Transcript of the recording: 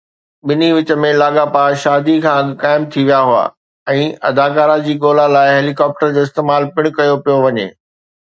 ٻنهي وچ ۾ لاڳاپا شادي کان اڳ قائم ٿي ويا هئا ۽ اداڪارا جي ڳولا لاءِ هيلي ڪاپٽر جو استعمال پڻ ڪيو پيو وڃي